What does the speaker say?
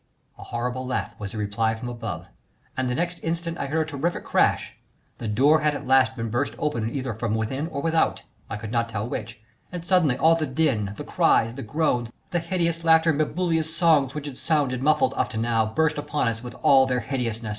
A horrible laugh was the reply from above, and the next instant I heard a terrific crash; the door had at last been burst open either from within or without, I could not tell which, and suddenly all the din, the cries, the groans, the hideous laughter and bibulous songs which had sounded muffled up to now burst upon us with all their hideousness.